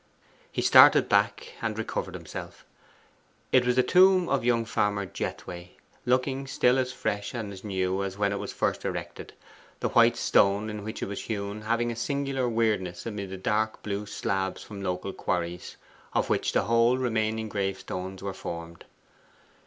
He started back, and recovered himself. It was the tomb of young farmer Jethway, looking still as fresh and as new as when it was first erected, the white stone in which it was hewn having a singular weirdness amid the dark blue slabs from local quarries, of which the whole remaining gravestones were formed.